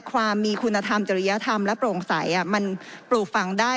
ความมีคุณธรรมจริยธรรมและโปร่งใสมันปลูกฝังได้